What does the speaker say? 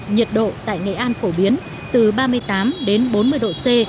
nhiệt độ tại nghệ an phổ biến từ ba mươi tám đến bốn mươi độ c